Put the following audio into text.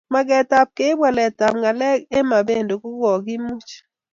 Magetab keib waletab ngalek eng Mabonde kokimuch